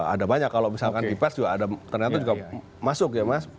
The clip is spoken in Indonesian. ada banyak kalau misalkan di pers juga ada ternyata juga masuk ya mas